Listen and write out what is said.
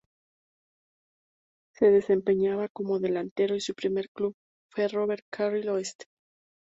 Se desempeñaba como delantero y su primer club fue Ferro Carril Oeste.